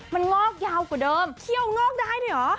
มันงอกยาวกว่าเดิมเที่ยวงอกได้ด้วยเหรอ